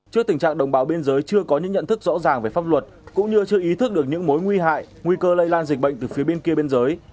trước tình trạng đồng bào biên giới chưa có những nhận thức rõ ràng về pháp luật cũng như chưa ý thức được những mối nguy hại nguy cơ lây lan dịch bệnh từ phía bên kia biên giới